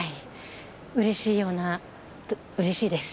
うれしいようなうれしいです。